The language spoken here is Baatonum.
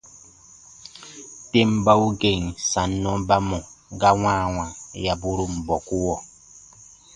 Tem bau gèn sannɔ ba mɔ̀ ga wãawa yaburun bɔkuɔ.